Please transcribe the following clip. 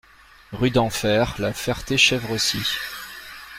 Rue d'Enfer, La Ferté-Chevresis